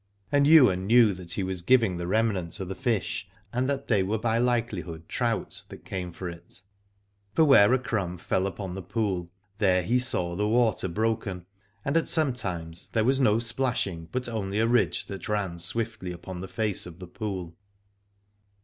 And Ywain knew that he was giving the remnant to the fish, and that they were by likehhood trout that came for it, for where a crumb fell upon the pool there he saw the water broken, and at some times there was no splashing but only a ridge that ran swiftly upon the face of the pool.